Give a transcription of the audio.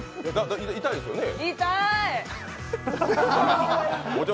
痛いですよね？